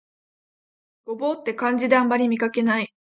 牛蒡って漢字であまり見かけない